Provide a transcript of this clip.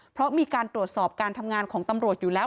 เพราะมีการตรวจสอบการทำงานของตำรวจอยู่แล้ว